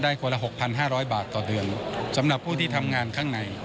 ได้กว่าละ๖๕๐๐บาทต่อเดือนสำหรับผู้ที่ทำงานข้างในนะครับ